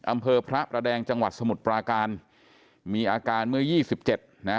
อำเภอพระระแดงจังหวัดสมุดปลาการมีอาการเมื่อ๒๗นะ